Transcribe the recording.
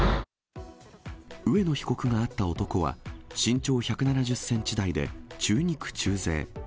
上野被告が会った男は、身長１７０センチ台で中肉中背。